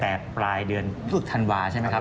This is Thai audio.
แต่ปลายเดือนพฤกษันวาใช่ไหมครับ